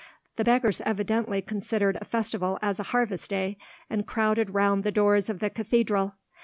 The beggars evidently considered a festival as a harvest day, and crowded round the doors of the cathedral.